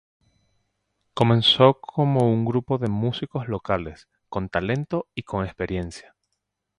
Comenzó como un grupo de músicos locales, con talento y con experiencia.